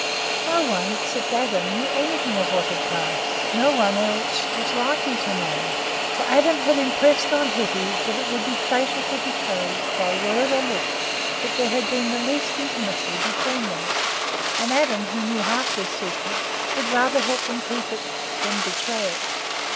No one, except Adam, knew anything of what had passed—no one else was likely to know; for Arthur had impressed on Hetty that it would be fatal to betray, by word or look, that there had been the least intimacy between them; and Adam, who knew half their secret, would rather help them to keep it than betray it.